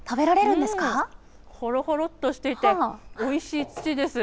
ほろほろっとしていて、おいしい土です。